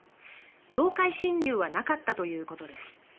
領海侵入はなかったということです。